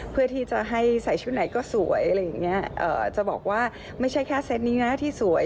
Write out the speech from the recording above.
เพื่อที่จะให้ใส่ชุดไหนก็สวยจะบอกว่าไม่ใช่แค่เซ็ตนี้นะที่สวย